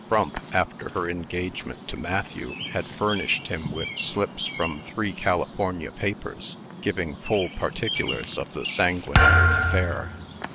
Frump, after her engagement to Matthew, had furnished him with slips from three California papers, giving full particulars of the sanguinary affair.